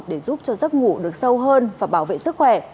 để giúp cho giấc ngủ được sâu hơn và bảo vệ sức khỏe